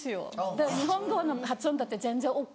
だから日本語の発音だって全然ＯＫ。